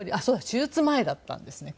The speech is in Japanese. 手術前だったんですねこれ。